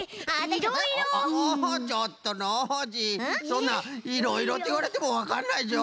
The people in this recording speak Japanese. そんないろいろっていわれてもわかんないぞ。